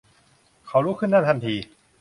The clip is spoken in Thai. เขาลุกขึ้นนั่งทันที